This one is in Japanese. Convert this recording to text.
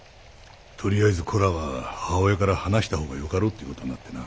とりあえず子らは母親から離したほうがよかろうという事になってな。